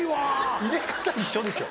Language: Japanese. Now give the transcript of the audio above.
入れ方一緒でしょ。